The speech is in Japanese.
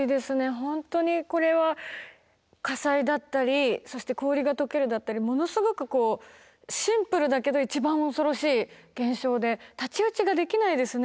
本当にこれは火災だったりそして氷が解けるだったりものすごくこうシンプルだけど一番恐ろしい現象で太刀打ちができないですね